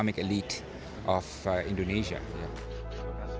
pengalaman dan sudut pandangnya sebagai mantan salah satu orang terkuat